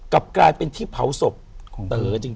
กลับกลายเป็นที่เผาศพของเต๋อจริง